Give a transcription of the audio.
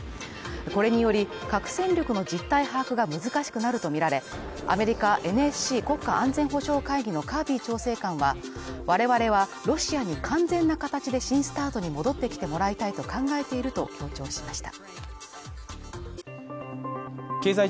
これにより核戦力の実態把握が難しくなるとみられ、アメリカＮＳＣ＝国家安全保障会議のカービー調整官は我々はロシアに完全な形で新ＳＴＡＲＴに戻ってきてもらいたいと考えていると強調しました。